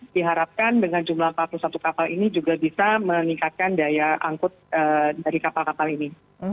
diharapkan dengan jumlah empat puluh satu kapal ini juga bisa meningkatkan daya angkut dari kapal kapal ini